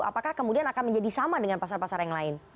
apakah kemudian akan menjadi sama dengan pasar pasar yang lain